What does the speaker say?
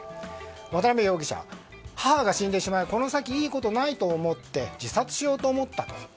渡辺容疑者、母が死んでしまいこの先いいことはないと思って自殺しようと思ったと。